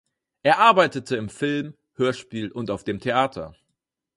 Er arbeitete im Film, Hörspiel und auf dem Theater.